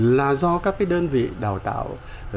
là do các cái đơn vị đào tạo